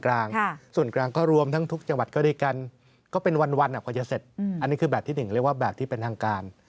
อันนี้คือแบบที่หนึ่งเรียกว่าแบบที่เป็นทางการ